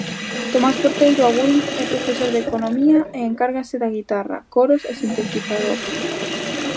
Tomás Porteiro Abuín é profesor de Economía e encárgase da guitarra, coros e sintetizador.